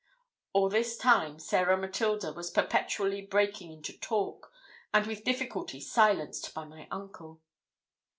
All this time Sarah Matilda was perpetually breaking into talk, and with difficulty silenced by my uncle.